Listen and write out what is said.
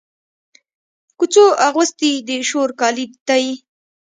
کوڅو اغوستي د شور کالي دی